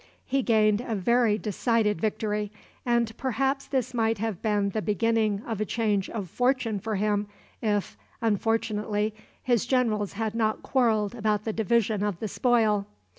He gained a very decided victory, and perhaps this might have been the beginning of a change of fortune for him if, unfortunately, his generals had not quarreled about the division of the spoil.